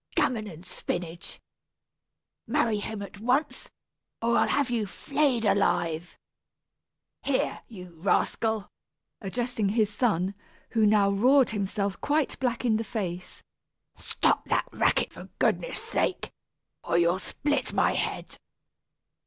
Gammon and spinach! Marry him at once, or I'll have you flayed alive! Here, you rascal (addressing his son, who had now roared himself quite black in the face), stop that racket, for goodness' sake, or you'll split my head."